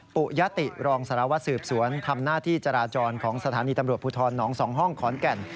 ปุยติรองสารวัตรสืบสวนทำหน้าที่จราจรของสถานีตำรวจภูทรหนอง๒ห้องขอนแก่น